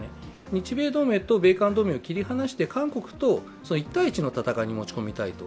日米同盟と米韓同盟を切り離して韓国と一対一の戦いに持ち込みたいと。